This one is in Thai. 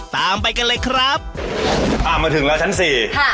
ตามไปกันเลยครับอ่ามาถึงแล้วชั้นสี่ค่ะ